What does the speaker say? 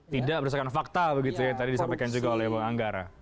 tidak berdasarkan fakta begitu yang tadi disampaikan juga oleh bang anggara